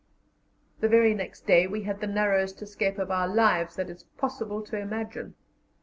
The very next day we had the narrowest escape of our lives that it is possible to imagine.